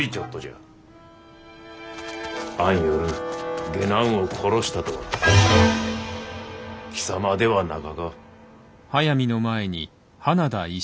あん夜下男を殺したとは貴様ではなかか？